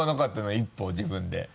１歩自分で。